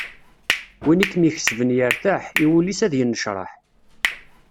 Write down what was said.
Win i kem-ikesben yertaḥ, i wul-is ad yennecraḥ.